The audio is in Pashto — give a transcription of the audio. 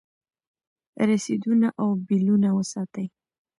رسیدونه او بیلونه وساتئ.